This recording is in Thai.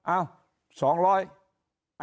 อ้าว๒๐๐บาท